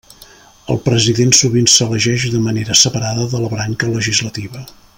El president sovint s'elegeix de manera separada de la branca legislativa.